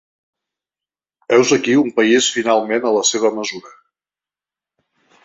Heus aquí un país finalment a la seva mesura.